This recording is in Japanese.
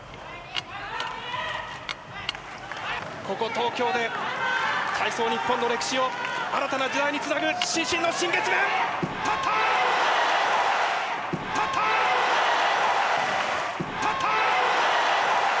ここ、東京で体操日本の歴史を新たな時代につなぐ伸身の新月面、立った！